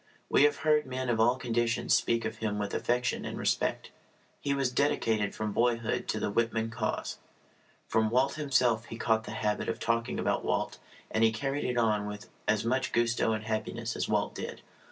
We have heard men of all conditions speak of him with affection and respect. He was dedicated from boyhood to the Whitman cause. From Walt himself he caught the habit of talking about Walt, and he carried it on with as much gusto and happiness as Walt did.